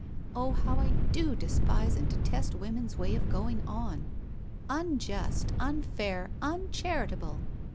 Oh, how I do despise and detest women's way of going on! Unjust — unfair — un charitable